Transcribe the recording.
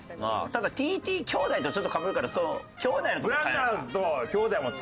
ただＴＴ兄弟とちょっとかぶるから「兄弟」のとこ変えようか。